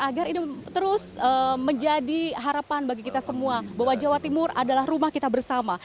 agar ini terus menjadi harapan bagi kita semua bahwa jawa timur adalah rumah kita bersama